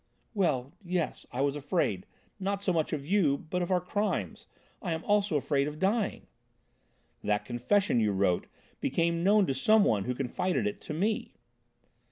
"Well, yes, I was afraid, not so much of you, but of our crimes. I am also afraid of dying." "That confession you wrote became known to some one who confided it to me."